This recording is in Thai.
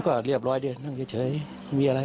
มันก็เรียบร้อยนั่งเยอะเฉยมีอะไร